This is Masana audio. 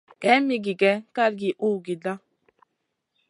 Kaïn mi gigè kalgi uhgida.